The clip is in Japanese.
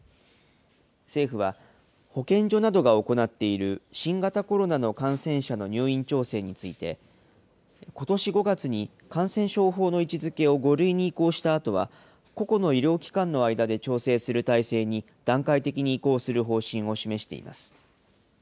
政府は、保健所などが行っている新型コロナの感染者の入院調整について、ことし５月に感染症法上の位置づけを５類に移行したあとは、個々の医療機関の間で調整する体制に段階的に移行する方針を示しています。